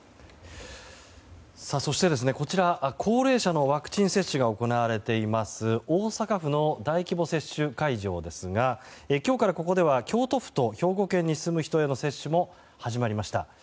そしてこちら、高齢者のワクチン接種が行われています大阪府の大規模接種会場ですが今日からここでは京都府と兵庫県に住む人への接種も始まりました。